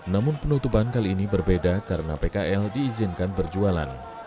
namun penutupan kali ini berbeda karena pkl diizinkan berjualan